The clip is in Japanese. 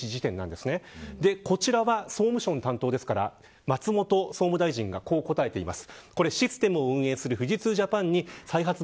こちらは総務省の担当ですから松本総務大臣がこう答えています。